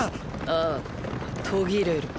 ああ途切れる。